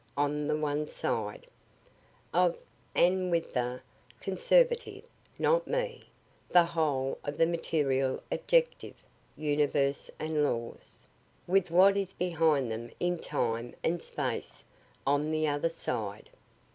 on the one side, of and with the (conservative) Not Me, the whole of the material objective universe and laws, with what is behind them in time and space, on the other side?